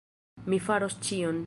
Mi faros ĉion!